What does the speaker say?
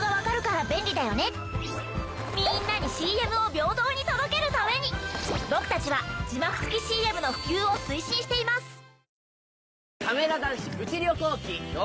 みんなにＣＭを平等に届けるために僕たちは字幕付きＣＭの普及を推進しています。